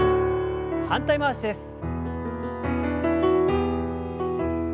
反対回しです。